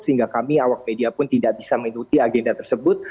sehingga kami awak media pun tidak bisa mengikuti agenda tersebut